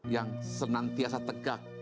yang senantiasa tegak